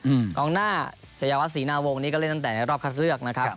กองหน้าชายวัดศรีนาวงศ์นี้ก็เล่นตั้งแต่ในรอบคัดเลือกนะครับ